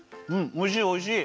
おいしいおいしい！